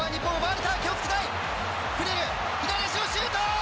フレル、左足のシュート！